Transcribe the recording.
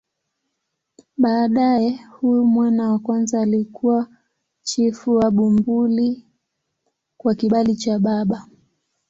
Baadaye huyu mwana wa kwanza alikuwa chifu wa Bumbuli kwa kibali cha baba.